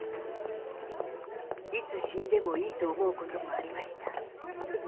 いつ死んでもいいと思うこともありました。